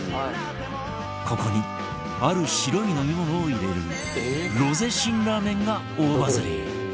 ここにある白い飲み物を入れるロゼ辛ラーメンが大バズり